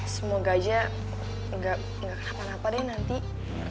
semoga aja gak kenapa napa deh nanti